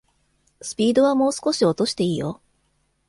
スピードはもう少し落としていいよ